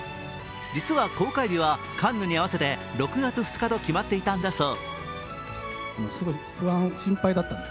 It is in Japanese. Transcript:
実は公開日はカンヌに合わせて６月２日と決まっていたんだそう。